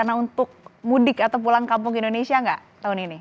rencana untuk mudik atau pulang kampung indonesia gak tahun ini